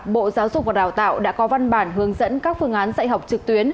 bộ giáo dục và đào tạo đã có văn bản hướng dẫn các phương án dạy học trực tuyến